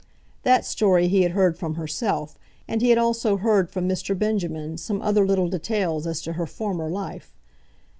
That story he had heard from herself, and he had also heard from Mr. Benjamin some other little details as to her former life.